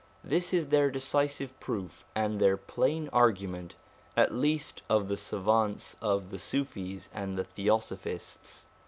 This is their decisive proof and their plain argument at least, of the savants of the Sufis and the Theosophists.